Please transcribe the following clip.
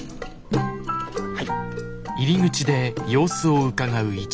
はい。